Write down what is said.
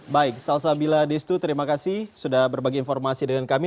baik salsabila destu terima kasih sudah berbagi informasi dengan kami